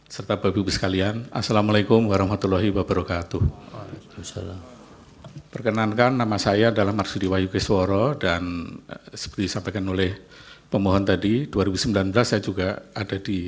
serta bagi bagi sekalian assalamu alaikum warahmatullahi wabarakatuh